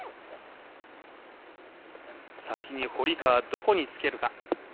先に堀川、どこにつけるか。